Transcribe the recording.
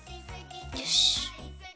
よし。